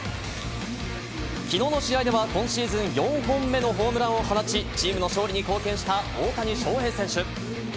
昨日の試合では今シーズン４本目のホームランを放ち、チームの勝利に貢献した大谷翔平選手。